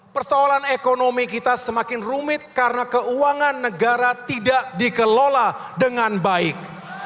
persoalan ekonomi kita semakin rumit karena keuangan negara tidak dikelola dengan baik